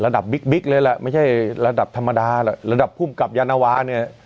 ระดับบิ๊กเลยแหละไม่ใช่ระดับธรรมดาระดับผู้กลับยาวนาวาเนี่ย